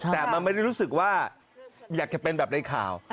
แต่มันไม่ได้รู้สึกว่าอยากจะเป็นแบบในข่าว